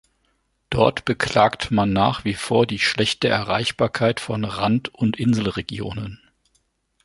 Dort beklagt man nach wie vor die schlechte Erreichbarkeit von Rand- und Inselregionen.